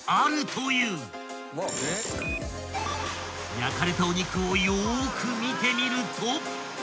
［焼かれたお肉をよーく見てみると］